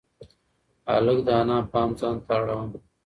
هلک د انا پام ځان ته اړاوه.